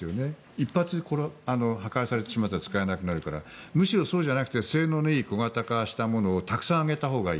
一発破壊されてしまったら使えなくなるからむしろそうじゃなくて性能のいい小型化したものをたくさん上げたほうがいい。